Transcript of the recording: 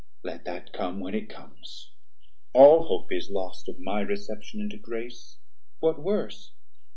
Let that come when it comes; all hope is lost Of my reception into grace; what worse?